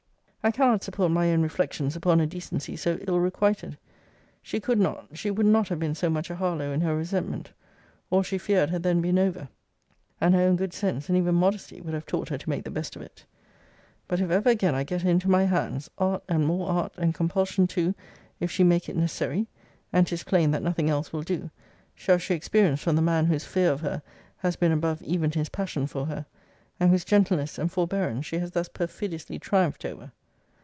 I cannot support my own reflections upon a decency so ill requited. She could not, she would not have been so much a Harlowe in her resentment. All she feared had then been over; and her own good sense, and even modesty, would have taught her to make the best of it. But if ever again I get her into my hands, art, and more art, and compulsion too, if she make it necessary, [and 'tis plain that nothing else will do,] shall she experience from the man whose fear of her has been above even his passion for her; and whose gentleness and forbearance she has thus perfidiously triumphed over.